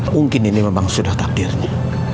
mungkin ini memang sudah takdirnya